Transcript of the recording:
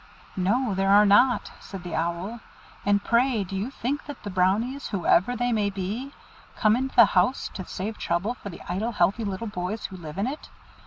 "No, there are not," said the Owl. "And pray do you think that the Brownies, whoever they may be, come into the house to save trouble for the idle healthy little boys who live in it?